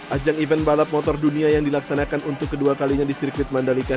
ajang event balap motor dunia yang dilaksanakan untuk kedua kalinya di sirkuit mandalika